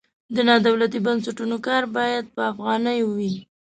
د نادولتي بنسټونو کار باید په افغانیو وي.